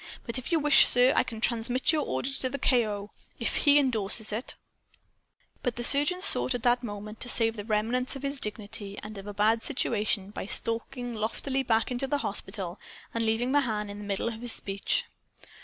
But if you wish, sir, I can transmit your order to the K.O. If he endorses it " But the surgeon sought, at that moment, to save the remnants of his dignity and of a bad situation by stalking loftily back into the hospital, and leaving Mahan in the middle of his speech.